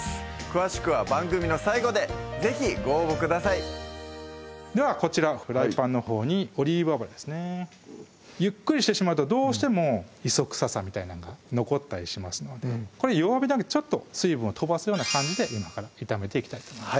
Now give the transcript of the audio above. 詳しくは番組の最後で是非ご応募くださいではこちらフライパンのほうにオリーブ油ですねゆっくりしてしまうとどうしても磯臭さみたいなのが残ったりしますのでこれ弱火じゃなくちょっと水分をとばすような感じで今から炒めていきたいと思います